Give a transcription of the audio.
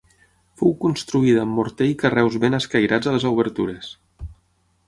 Fou construïda amb morter i carreus ben escairats a les obertures.